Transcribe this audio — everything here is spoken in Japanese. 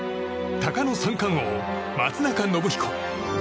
鷹の三冠王・松中信彦。